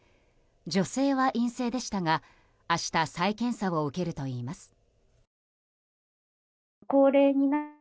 女性は陰性でしたが明日、再検査を受けるといいます。